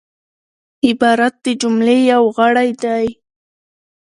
عبارت د جملې یو غړی دئ.